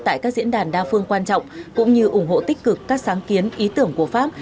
tại các diễn đàn đa phương quan trọng cũng như ủng hộ tích cực các sáng kiến ý tưởng của pháp